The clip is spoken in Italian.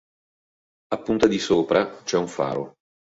A punta di Sopra c'è un faro.